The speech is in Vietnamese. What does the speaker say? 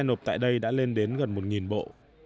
nộp tại đây đã lên đến gần một bộ